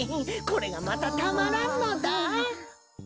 これがまたたまらんのだ。